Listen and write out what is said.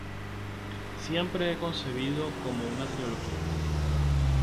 Siempre he concebido como una trilogía..."